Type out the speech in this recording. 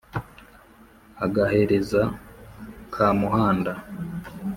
agahereza Kamuhanda.